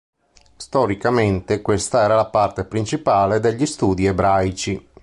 Storicamente, questa era la parte principale degli studi ebraici.